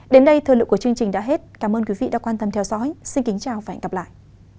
đến đây thời lượng của chương trình đã hết cảm ơn quý vị đã quan tâm theo dõi xin kính chào và hẹn gặp lại